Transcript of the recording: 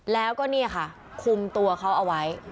แล้วก็นี่ค่ะคุมตัวเขาเอาไว้